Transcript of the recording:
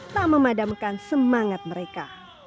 tak memadamkan semangat mereka